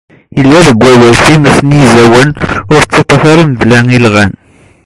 Yella deg wawal ; times n yiẓawen ur tettaṭṭaf ara mebla ilɣan.